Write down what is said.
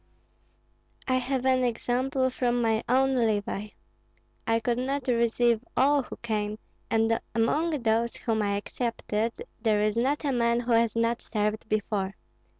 I have an example from my own levy. I could not receive all who came, and among those whom I accepted there is not a man who has not served before.